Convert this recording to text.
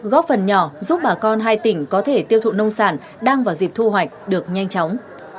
góp phần nhỏ giúp bà con hai tỉnh có thể tiêu thụ nông sản đang vào dịp thu hoạch được nhanh chóng